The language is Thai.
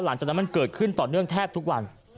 หลังจากนั้นมันเกิดขึ้นต่อเนื่องแทบทุกวัน